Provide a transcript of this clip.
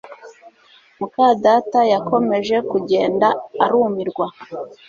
muka data yakomeje kugenda arumirwa